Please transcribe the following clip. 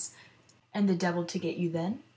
And the devil to get you then ?"